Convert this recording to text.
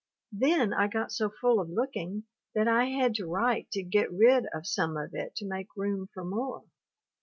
Then I got so full of looking that I had to write to get rid of some of it to make room for more.